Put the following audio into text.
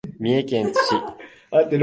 三重県津市